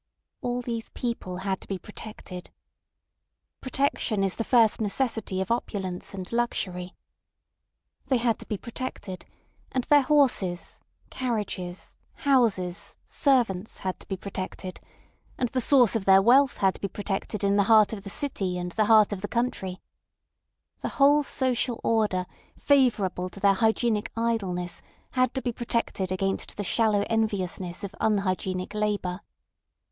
All these people had to be protected. Protection is the first necessity of opulence and luxury. They had to be protected; and their horses, carriages, houses, servants had to be protected; and the source of their wealth had to be protected in the heart of the city and the heart of the country; the whole social order favourable to their hygienic idleness had to be protected against the shallow enviousness of unhygienic labour.